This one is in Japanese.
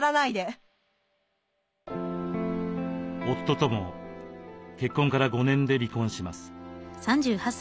夫とも結婚から５年で離婚します。